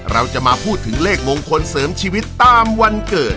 เราจะมาพูดถึงเลขมงคลเสริมชีวิตตามวันเกิด